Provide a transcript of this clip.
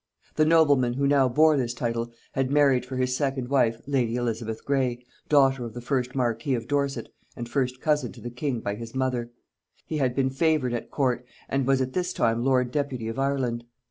The nobleman who now bore this title had married for his second wife lady Elizabeth Grey, daughter of the first marquis of Dorset, and first cousin to the king by his mother; he had been favored at court, and was at this time lord deputy of Ireland.